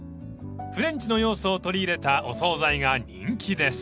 ［フレンチの要素を取り入れたお総菜が人気です］